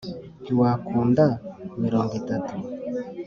Ntiwakunda mirongo itatu.